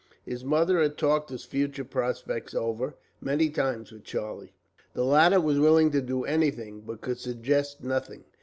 His mother had talked his future prospects over, many times, with Charlie. The latter was willing to do anything, but could suggest nothing.